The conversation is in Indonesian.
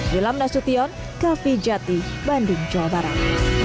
wilam nasution kavijati bandung jawa barat